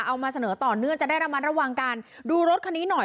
เอามาเสนอต่อเนื่องจะได้ระมัดระวังกันดูรถคันนี้หน่อย